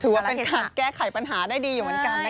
ถือว่าเป็นการแก้ไขปัญหาได้ดีอยู่เหมือนกันนะคะ